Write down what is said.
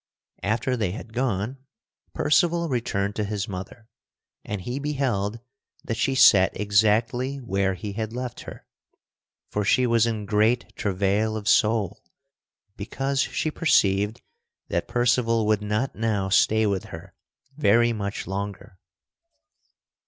After they had gone Percival returned to his mother, and he beheld that she sat exactly where he had left her, for she was in great travail of soul because she perceived that Percival would not now stay with her very much longer.